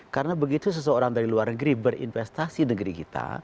karena begitu seseorang dari luar negeri berinvestasi negeri kita